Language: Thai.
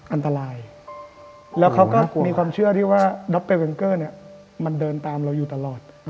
อันตรายแล้วเขาก็มีความเชื่อที่ว่าด็อกไปเวนเกอร์เนี่ยมันเดินตามเราอยู่ตลอด